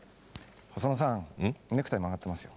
細野さんネクタイ曲がってますよ。